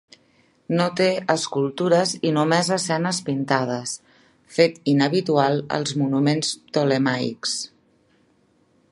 No té escultures i només escenes pintades, fet inhabitual als monuments ptolemaics.